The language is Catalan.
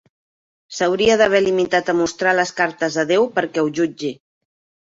S'hauria d'haver limitat a mostrar les cartes a déu perquè ho jutgi.